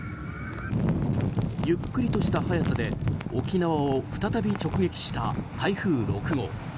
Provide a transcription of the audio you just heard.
ゆっくりとした速さで沖縄を再び直撃した台風６号。